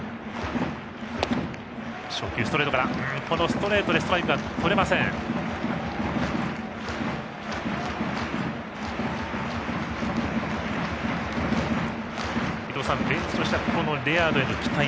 ストレートでストライクがとれません、上沢。